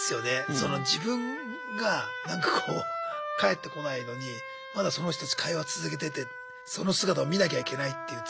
その自分がなんかこう返ってこないのにまだその人たち会話続けててその姿を見なきゃいけないっていうつらさはあるね。